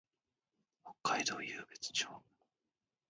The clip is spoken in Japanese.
北海道湧別町